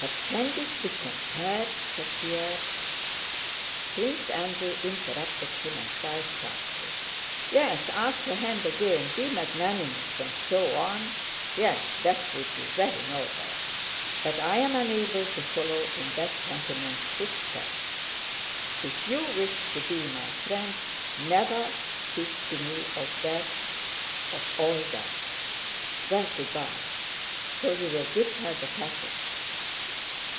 "But can this be compared...?" said Pierre. Prince Andrew interrupted him and cried sharply: "Yes, ask her hand again, be magnanimous, and so on?... Yes, that would be very noble, but I am unable to follow in that gentleman's footsteps. If you wish to be my friend never speak to me of that... of all that! Well, good by. So you'll give her the packet?"